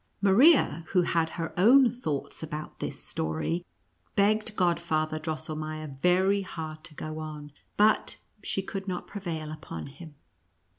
Maria, who had her own thoughts about this story, begged Godfather Drosselmeier very hard to go on, but she could not prevail upon him.